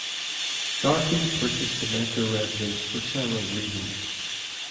Garfield purchased the Mentor residence for several reasons.